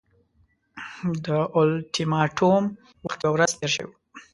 د اولټیماټوم وخت یوه ورځ تېر شوی وو.